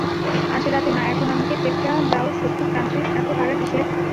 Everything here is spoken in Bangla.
আজ রাতে না এখন আমাকে টেপটা দাও সত্যি ফ্রান্সিস, এতো তাড়া কিসের?